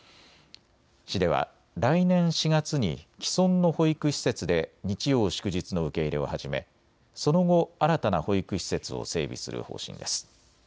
市では来年４月に既存の保育施設で日曜、祝日の受け入れを始めその後、新たな保育施設を整備する方針です。